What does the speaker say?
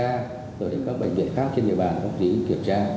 rồi đến các bệnh viện khác trên nhật bản ông chí kiểm tra